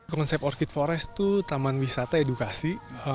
konsep orkit forest itu taman wisata edukasi